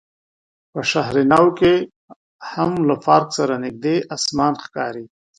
په شهر نو کې هم له پارک سره نژدې اسمان ښکاري.